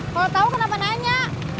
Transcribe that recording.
kalo tau kenapa nanya